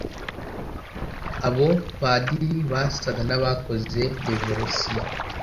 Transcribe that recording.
Abo padiri basaga n’abakoze revorisiyo